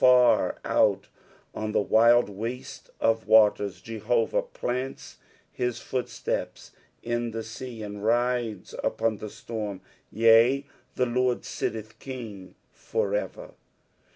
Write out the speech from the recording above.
Far out on the wild wnute of waters, Jehovah " plants hin footsteps in the sea, and rides upon the storm," "Tea, the Lord nlUth King for e^er."